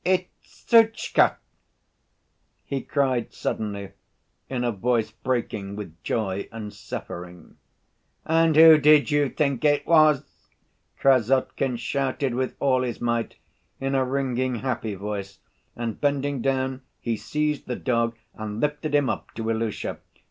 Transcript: "It's ... Zhutchka!" he cried suddenly, in a voice breaking with joy and suffering. "And who did you think it was?" Krassotkin shouted with all his might, in a ringing, happy voice, and bending down he seized the dog and lifted him up to Ilusha.